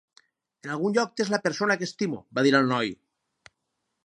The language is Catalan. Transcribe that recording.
"En algun lloc tens la persona que estimo", va dir el noi.